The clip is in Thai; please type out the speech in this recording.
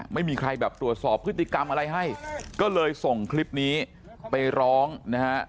ไม่มีใครแบบตรวจสอบพฤติกรรมอะไรให้ก็เลยส่งคลิปนี้ไปร้องนะฮะ